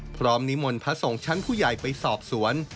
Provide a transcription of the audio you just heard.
พร้อมนิมนต์พระส่งชั้นผู้ใหญ่ไปสอบสวน